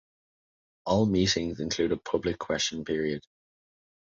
All meetings include a public question period.